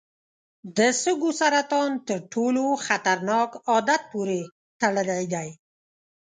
د سږو سرطان تر ټولو خطرناک عادت پورې تړلی دی.